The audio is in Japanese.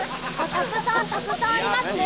たくさんたくさんありますね。